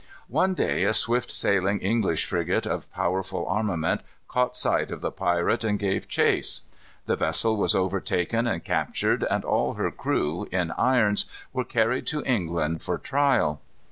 One day a swift sailing English frigate, of powerful armament, caught sight of the pirate and gave chase. The vessel was overtaken and captured, and all her crew, in irons, were carried to England for trial.